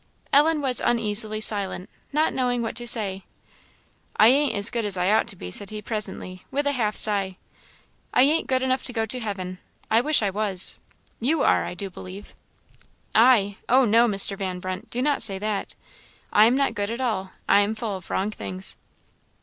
Ellen was uneasily silent, not knowing what to say. "I ain't as good as I ought to be," said he presently, with a half sigh: "I ain't good enough to go to heaven I wish I was. You are, I do believe." "I! Oh no, Mr. Van Brunt, do not say that; I am not good at all I am full of wrong things."